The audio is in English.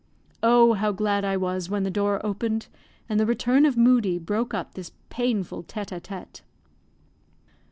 Oh, how glad I was when the door opened, and the return of Moodie broke up this painful tete a tete.